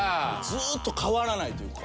ずっと変わらないというか。